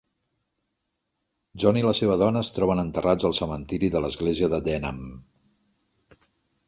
John i la seva dona es troben enterrats al cementiri de l'església de Denham.